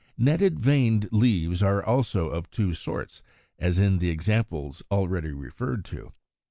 131. Netted veined leaves are also of two sorts, as in the examples already referred to.